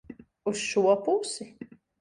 Uz šo pusi?